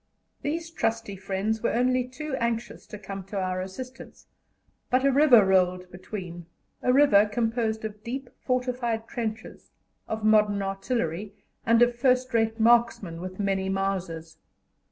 These trusty friends were only too anxious to come to our assistance, but a river rolled between a river composed of deep fortified trenches, of modern artillery, and of first rate marksmen with many Mausers.